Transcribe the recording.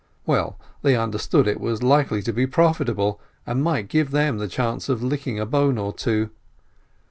Well, they understood that it was likely to be profitable, and might give them the chance of licking a bone or two.